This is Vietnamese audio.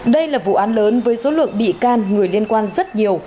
đây là vụ án lớn với số lượng bị can người liên quan rất nhiều